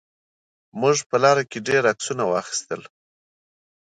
موږ په لاره کې ډېر عکسونه واخیستل.